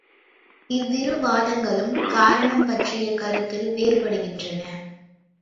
இவ்விரு வாதங்களும் காரணம் பற்றிய கருத்தில் வேறுபடுகின்றன.